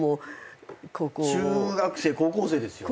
中学生高校生ですよね？